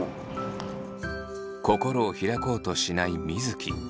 心を開こうとしない水城。